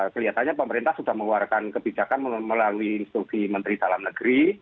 kelihatannya pemerintah sudah mengeluarkan kebijakan melalui instruksi menteri dalam negeri